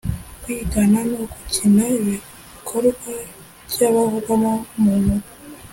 -kwigana no gukina ibikorwa by’abavugwa mu nkuru